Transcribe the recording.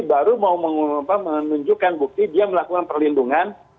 baru mau menunjukkan bukti dia melakukan perlindungan